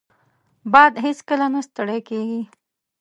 باد هیڅکله نه ستړی کېږي